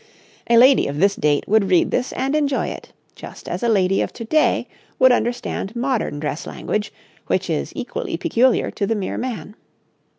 A lady of this date would read this and enjoy it, just as a lady of to day would understand modern dress language, which is equally peculiar to the mere man.